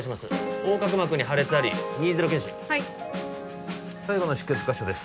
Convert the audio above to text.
横隔膜に破裂あり２−０絹糸はい最後の出血箇所です